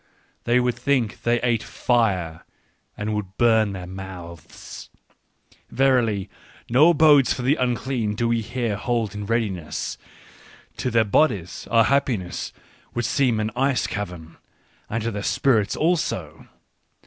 They would think they ate fire and would burn their mouths !" Verily, no abodes for the unclean do we here hold in readiness ! To their bodies our happiness would seem an ice cavern, and to their spirits also